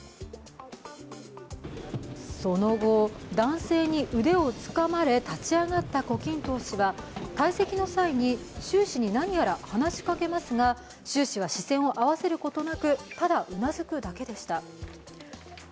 その後、男性に腕をつかまれ、立ち上がった胡錦涛氏は退席の際に習氏に何やら話しかけますが、習氏は視線を合わせることなくただうなずくだけでした。